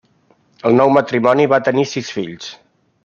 El nou matrimoni va tenir sis fills.